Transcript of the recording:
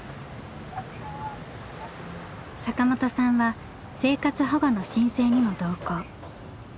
坂本さんは生活保護の申請にも同行。